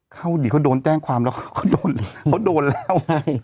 เขาดิเขาโดนแจ้งความแล้วเขาโดนเขาโดนแล้วไง